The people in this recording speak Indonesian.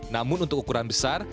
namun untuk ukuran besar